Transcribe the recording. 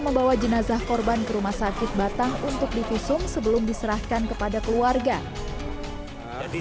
membawa jenazah korban ke rumah sakit batang untuk divisum sebelum diserahkan kepada keluarga jadi